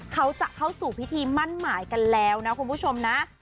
เขาจะเข้าสู่พิธีมั่นหมายกันแล้วนะคุณผู้ชมนะ